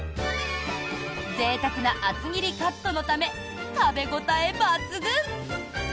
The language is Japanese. ぜいたくな厚切りカットのため食べ応え抜群！